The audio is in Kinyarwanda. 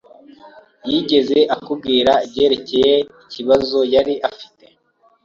Yigeze akubwira ibyerekeye ibibazo yari afite?